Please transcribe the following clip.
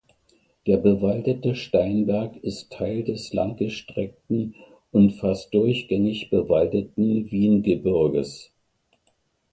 Der bewaldete Steinberg ist Teil des lang gestreckten und fast durchgängig bewaldeten Wiehengebirges.